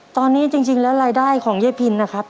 ตอนนี้จริงแล้วรายได้ของยายพินนะครับ